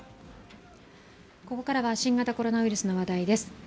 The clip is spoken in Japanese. ここからは新型コロナウイルスの話題です。